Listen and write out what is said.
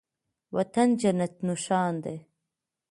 وطن جنت نښان دی